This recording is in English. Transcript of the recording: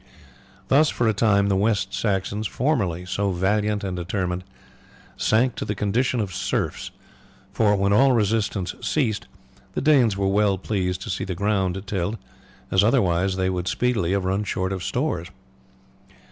Thus for a time the West Saxons, formerly so valiant and determined, sank to the condition of serfs; for when all resistance ceased the Danes were well pleased to see the ground tilled, as otherwise they would speedily have run short of stores.